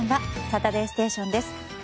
「サタデーステーション」です。